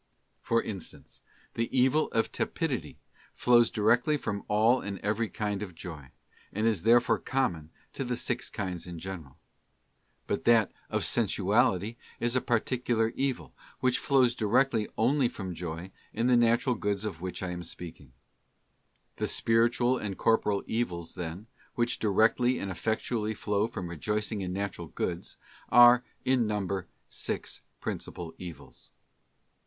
For instance, the evil of tepidity flows directly from all and every kind of joy, and is therefore common to the six kinds in general; * Ps, ci. 27, + Eccles. ii, 2. EVILS OF REJOICING IN NATURAL GOODS. 289 but that of sensuality is a particular evil, which flows directly only from joy in the natural goods of which I am speaking. The spiritual and corporal evils, then, which directly and effectually flow from rejoicing in Natural Goods, are, in num ber, six principal evils.